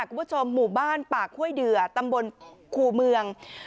คุณผู้ชมหมู่บ้านปากห้วยเดือตำบลคู่เมือง